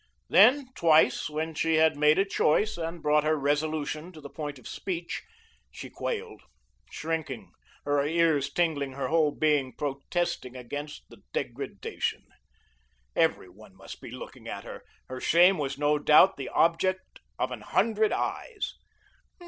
Then, twice, when she had made a choice, and brought her resolution to the point of speech, she quailed, shrinking, her ears tingling, her whole being protesting against the degradation. Every one must be looking at her. Her shame was no doubt the object of an hundred eyes.